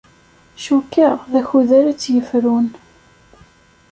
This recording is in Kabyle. Cukkeɣ d akud ara tt-yefrun.